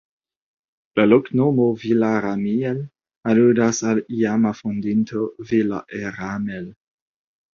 La loknomo "Villarramiel" aludas al iama fondinto ("Villa Herramel").